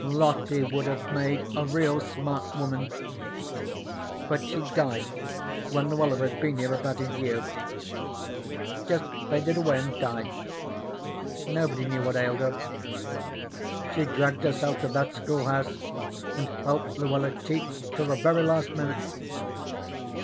Lottie would have made a real smart woman, but she died when Luella had been here about a year just faded away and died: nobody knew what ailed her. She dragged herself to that schoolhouse and helped Luella teach till the very last minute.